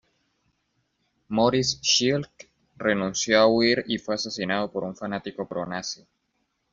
Moritz Schlick renunció a huir y fue asesinado por un fanático pro-nazi.